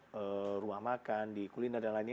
perumahan di ruang makan di kuliner dan lainnya